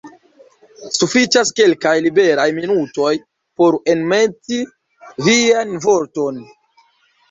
Sufiĉas kelkaj liberaj minutoj por enmeti vian vorton.